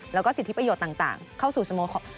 แล้วก็สิทธิประโยชน์ต่างเข้าสู่สโมคร